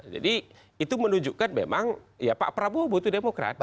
jadi itu menunjukkan memang pak prabowo butuh demokrat